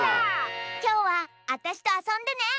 きょうはあたしとあそんでね！